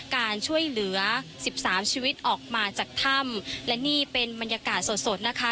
การช่วยเหลือสิบสามชีวิตออกมาจากถ้ำและนี่เป็นบรรยากาศสดสดนะคะ